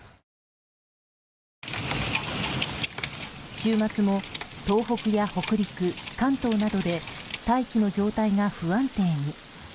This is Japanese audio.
週末も東北や北陸、関東などで大気の状態が不安定に。